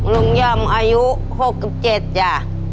ลุงย่มอายุ๖๗จ้ะ